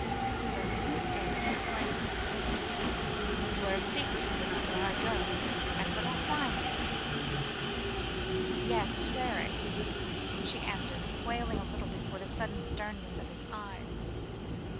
Fergusson stared at her blankly. "Swear secrecy about where I go, and what I find there?" he said. "Yes swear it," she answered, quailing a little before the sudden sternness of his eyes.